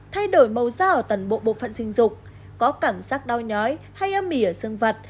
thay đổi màu da ở toàn bộ bộ phận sinh dục có cảm giác đau nhói hay âm mỉ ở xương vật